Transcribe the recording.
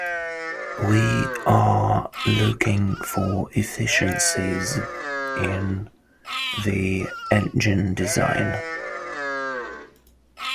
We are looking for efficiencies in the engine design.